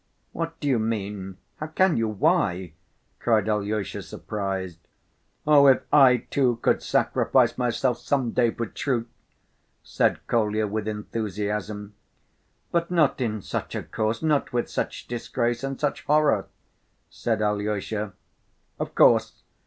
"What do you mean? How can you? Why?" cried Alyosha surprised. "Oh, if I, too, could sacrifice myself some day for truth!" said Kolya with enthusiasm. "But not in such a cause, not with such disgrace and such horror!" said Alyosha. "Of course